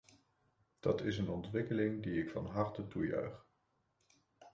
Dat is een ontwikkeling die ik van harte toejuich.